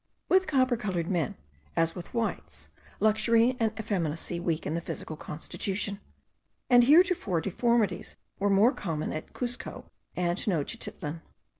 With copper coloured men, as with whites, luxury and effeminacy weaken the physical constitution, and heretofore deformities were more common at Cuzco and Tenochtitlan.